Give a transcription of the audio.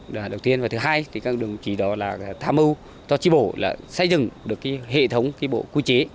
đầu tiên và thứ hai các đồng chí đó là tham mưu cho tri bộ xây dựng được hệ thống bộ quy chế